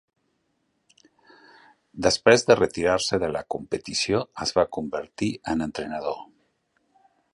Després de retirar-se de la competició es va convertir en entrenador.